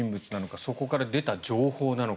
そこから出た情報なのか